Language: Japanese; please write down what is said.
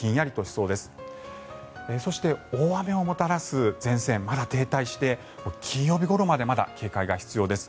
そして、大雨をもたらす前線まだ停滞していて金曜日ごろまでまだ警戒が必要です。